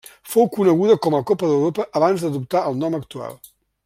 Fou coneguda com a Copa d'Europa abans d'adoptar el nom actual.